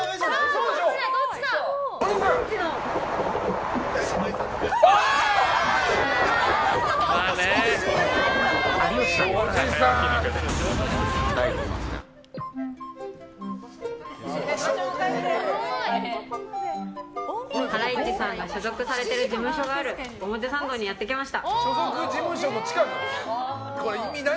ハライチさんが所属されてる事務所がある表参道にやってきました。